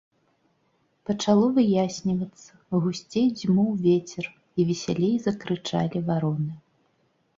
Пачало выяснівацца, гусцей дзьмуў вецер, і весялей закрычалі вароны.